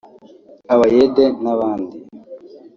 abayede n’abandi